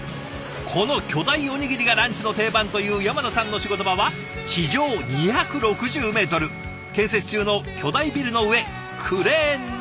この巨大おにぎりがランチの定番という山名さんの仕事場は地上２６０メートル建設中の巨大ビルの上クレーンの中でした。